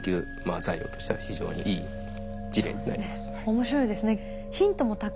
面白いですね。